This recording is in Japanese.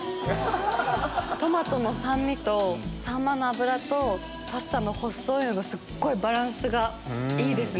トマトの酸味とサンマの脂とパスタの細いのがすっごいバランスがいいですね。